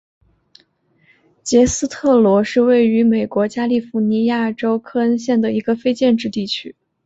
杰斯特罗是位于美国加利福尼亚州克恩县的一个非建制地区。